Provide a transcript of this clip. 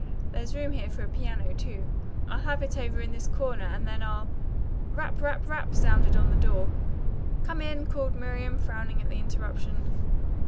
There's room here for a piano, too. I'll have it over in this corner and then I'll " Rap, rap, rap! sounded on the door. "Come in," called Miriam frowning at the interruption.